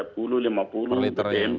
per liter ya